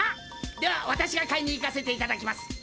では私が買いに行かせていただきます。